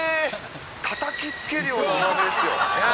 たたきつけるような大雨ですよ。